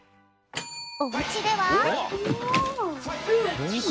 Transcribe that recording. おうちでは。